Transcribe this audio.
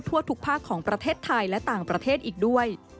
ทั่วทุกภาคของประเทศไทยและต่างประเทศอีกด้วย